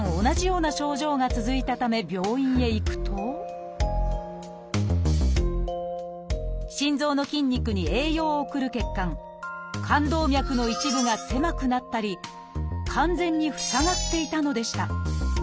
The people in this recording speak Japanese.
同じような症状が続いたため病院へ行くと心臓の筋肉に栄養を送る血管冠動脈の一部が狭くなったり完全に塞がっていたのでした。